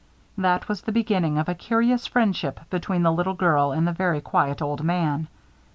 That was the beginning of a curious friendship between the little girl and the very quiet old man.